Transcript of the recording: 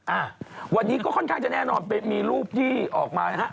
อ่าวันนี้ก็ค่อนข้างจะแน่นอนไปมีรูปที่ออกมานะฮะ